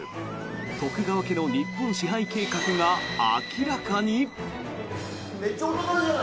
徳川家の日本支配計画が明らかに！？